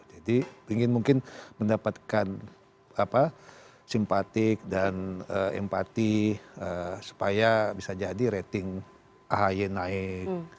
jadi ingin mungkin mendapatkan simpatik dan empati supaya bisa jadi rating ahy naik